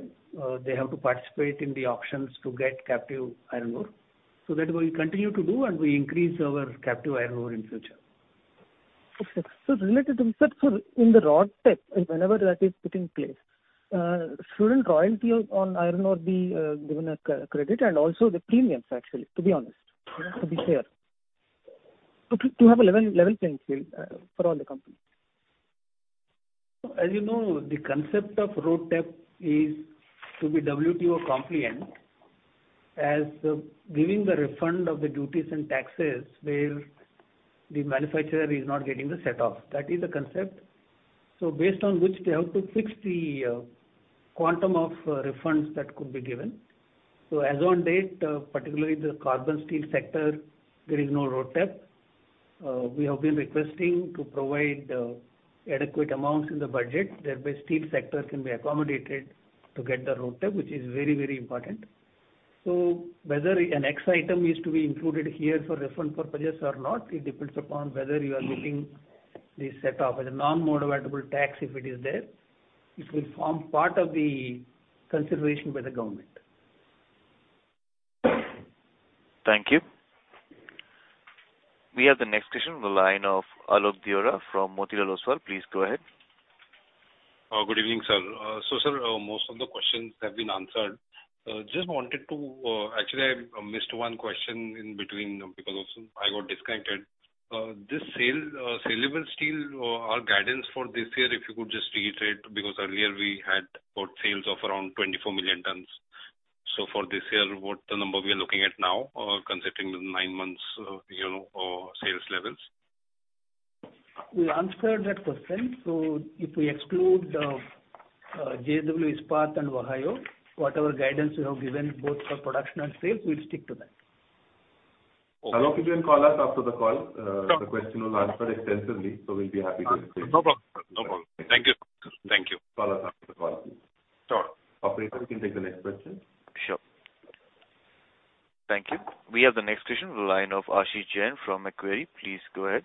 they have to participate in the auctions to get captive iron ore. That we'll continue to do and we increase our captive iron ore in future. Related to that, in the raw tech, whenever that is put in place, shouldn't royalty on iron ore be given a credit and also the premiums, actually, to be honest, to be fair? To have a level playing field for all the companies. As you know, the concept of RoDTEP is to be WTO compliant as giving the refund of the duties and taxes where the manufacturer is not getting the set off. That is the concept. Based on which they have to fix the quantum of refunds that could be given. As on date, particularly the carbon steel sector, there is no RoDTEP. We have been requesting to provide adequate amounts in the budget, thereby steel sector can be accommodated to get the RoDTEP, which is very, very important. Whether an X item is to be included here for refund purposes or not, it depends upon whether you are looking the set off. As a non-modifiable tax, if it is there, it will form part of the consideration by the government. Thank you. We have the next question on the line of Alok Deora from Motilal Oswal. Please go ahead. Good evening, sir. Sir, most of the questions have been answered. Actually I missed one question in between because also I got disconnected. This sale, saleable steel, our guidance for this year, if you could just reiterate because earlier we had about sales of around 24 million tons. For this year, what's the number we are looking at now, considering the nine months, you know, sales levels? We answered that question. If we exclude JSW Ispat and Ohio, what our guidance we have given both for production and sales, we'll stick to that. Alok, you can call us after the call. Sure. The question was answered extensively. We'll be happy to explain. No problem. No problem. Thank you. Thank you. Call us after the call. Sure. Operator, you can take the next question. Sure. Thank you. We have the next question on the line of Ashish Jain from Macquarie. Please go ahead.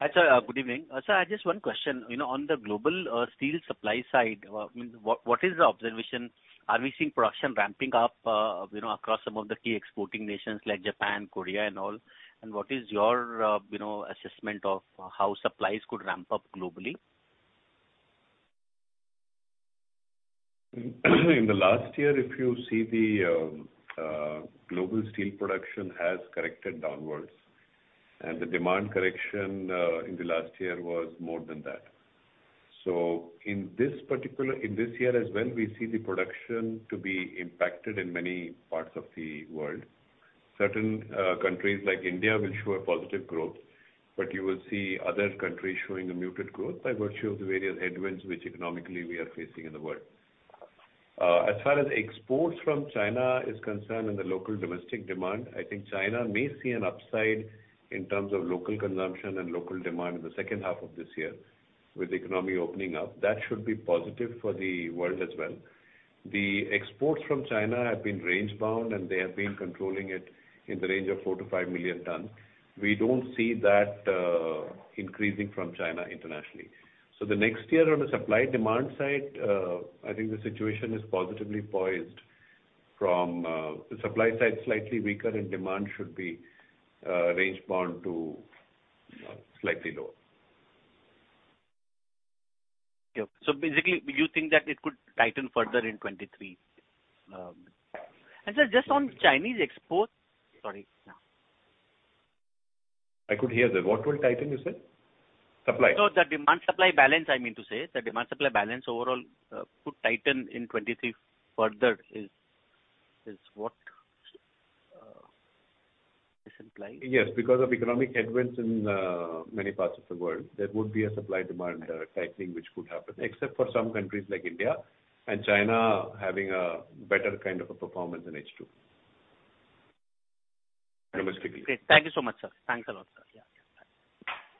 Hi, sir. Good evening. Sir, I just one question. You know, on the global, steel supply side, what is the observation? Are we seeing production ramping up, you know, across some of the key exporting nations like Japan, Korea and all? What is your, you know, assessment of how supplies could ramp up globally? In the last year, if you see the global steel production has corrected downwards, and the demand correction in the last year was more than that. In this year as well, we see the production to be impacted in many parts of the world. Certain countries like India will show a positive growth, but you will see other countries showing a muted growth by virtue of the various headwinds which economically we are facing in the world. As far as exports from China is concerned and the local domestic demand, I think China may see an upside in terms of local consumption and local demand in the second half of this year with economy opening up. That should be positive for the world as well. The exports from China have been range bound, and they have been controlling it in the range of 4-5 million tons. We don't see that increasing from China internationally. The next year on the supply demand side, I think the situation is positively poised from the supply side slightly weaker and demand should be range bound to slightly lower. Yeah. Basically, you think that it could tighten further in 2023? Sir, just on Chinese exports. Sorry. I could hear that. What will tighten, you said? Supply. No, the demand supply balance, I mean to say. The demand supply balance overall, could tighten in 2023 further is what is implied. Yes, because of economic headwinds in many parts of the world, there would be a supply demand tightening which could happen except for some countries like India and China having a better kind of a performance in H2 domestically. Great. Thank you so much, sir. Thanks a lot, sir. Yeah.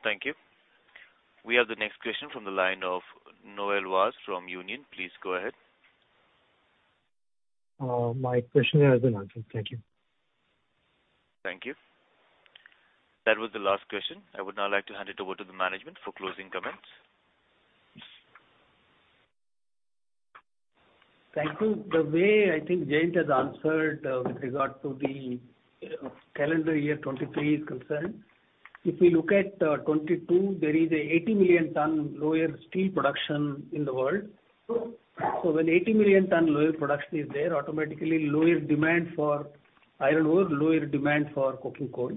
Thank you. We have the next question from the line of Noel Vaz from Union. Please go ahead. My question has been answered. Thank you. Thank you. That was the last question. I would now like to hand it over to the management for closing comments. Thank you. The way I think Jayant has answered, with regard to the calendar year 2023 is concerned, if we look at 2022, there is a 80 million tons lower steel production in the world. When 80 million tons lower production is there, automatically lower demand for iron ore, lower demand for coking coal.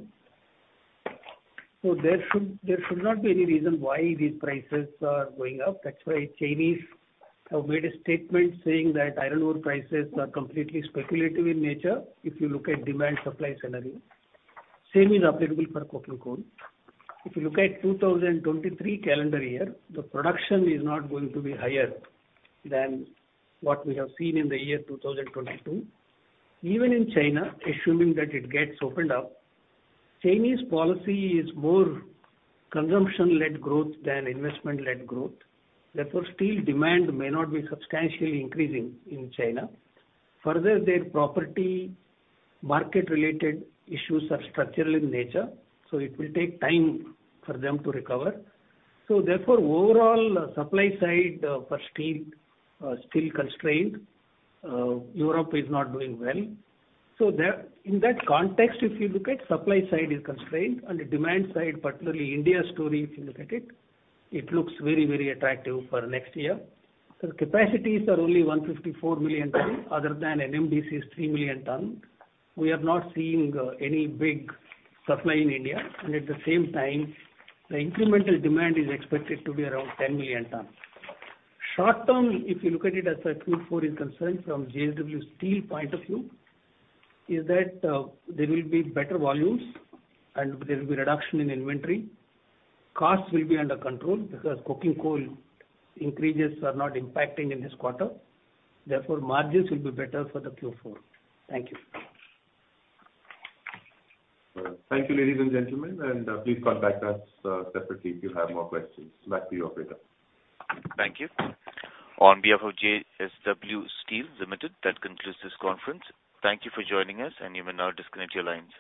There should not be any reason why these prices are going up. That's why Chinese have made a statement saying that iron ore prices are completely speculative in nature if you look at demand supply scenario. Same is applicable for coking coal. If you look at 2023 calendar year, the production is not going to be higher than what we have seen in the year 2022. Even in China, assuming that it gets opened up, Chinese policy is more consumption-led growth than investment-led growth. Therefore, steel demand may not be substantially increasing in China. Further, their property market related issues are structural in nature, so it will take time for them to recover. Therefore, overall supply side for steel are still constrained. Europe is not doing well. There, in that context, if you look at supply side is constrained and the demand side, particularly India story, if you look at it looks very, very attractive for next year. Capacities are only 154 million ton other than NMDC's 3 million ton. We are not seeing any big supply in India. At the same time, the incremental demand is expected to be around 10 million ton. Short term, if you look at it as a Q4 is concerned from JSW Steel point of view, is that, there will be better volumes and there will be reduction in inventory. Costs will be under control because coking coal increases are not impacting in this quarter. Margins will be better for the Q4. Thank you. Thank you, ladies and gentlemen, and please contact us separately if you have more questions. Back to you, operator. Thank you. On behalf of JSW Steel Limited, that concludes this conference. Thank you for joining us. You may now disconnect your lines.